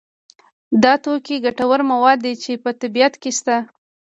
دا توکي ګټور مواد دي چې په طبیعت کې شته.